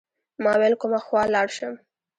ما ویل کومه خوا لاړ شم.